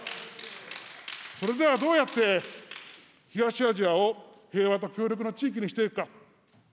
それではどうやって東アジアを平和と協力の地域にしていくか。